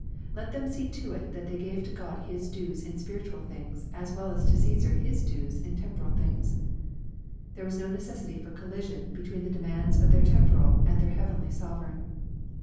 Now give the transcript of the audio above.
Let them see to it that they gave to God His dues in spiritual things, as well as to Caesar his dues in temporal things. There was no necessity for collision between the demands of their temporal and their heavenly sovereign.